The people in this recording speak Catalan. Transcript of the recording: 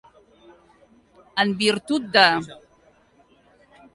En virtut de.